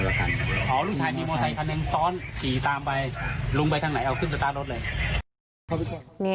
ขี่ตามไปลุงไปทางไหนเอาขึ้นสระตาลดเลย